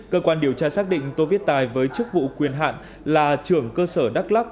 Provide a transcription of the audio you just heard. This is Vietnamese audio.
cơ quan điều tra xác định tô viết tài với chức vụ quyền hạn là trưởng cơ sở đắk lắc